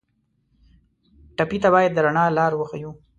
ټپي ته باید د رڼا لار وښیو.